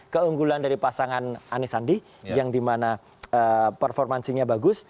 keunggulan dari pasangan anis andi yang di mana performansinya bagus